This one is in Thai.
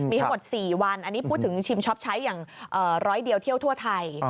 มีทั้งหมด๔วันอันนี้พูดถึงชิมช็อปใช้อย่างร้อยเดียวเที่ยวทั่วไทย